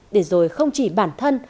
để rồi không chỉ bản thân